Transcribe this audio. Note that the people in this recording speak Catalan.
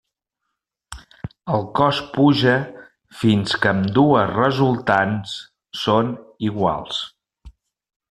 El cos puja fins que ambdues resultants són iguals.